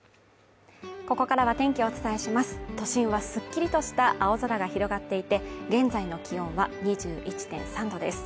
ここからは天気をお伝えします都心はすっきりとした青空が広がっていて、現在の気温は２１．３度です。